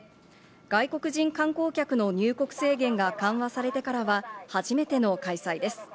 外国人観光客の入国制限が緩和されてからは初めての開催です。